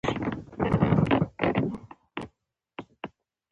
د هیواد په کچه د لاسي هنرونو ملاتړ کیږي.